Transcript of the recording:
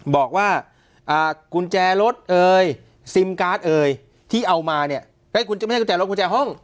บอกว่ากุญแจรถเอ่ยซิมการ์ดเอ่ยที่เอามาเนี่ยไม่ใช่กุญแจรถ